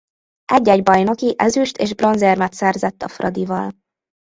Egy-egy bajnoki ezüst- és bronzérmet szerzett a Fradival.